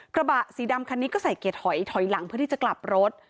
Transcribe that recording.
กระบะสีดำคันนี้ก็ใส่เกียร์ถอยถอยหลังเพื่อที่จะกลับรถ